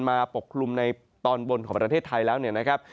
ปกคลุมในตอนบนของประเทศไทยแล้วเนี่ยนะครับ